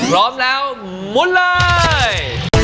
พร้อมแล้วหมุนเลย